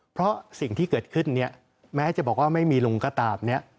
เพราะสิ่งที่เกิดขึ้นเนี่ยแม้จะบอกว่าไม่มีลุงก็ตามเนี่ย